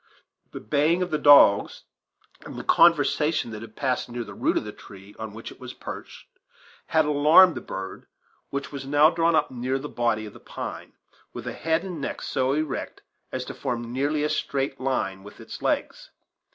The baying of the dogs, and the conversation that had passed near the root of the tree on which it was perched, had alarmed the bird, which was now drawn up near the body of the pine, with a head and neck so erect as to form nearly a straight line with its legs.